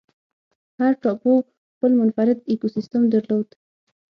هر ټاپو خپل منفرد ایکوسیستم درلود.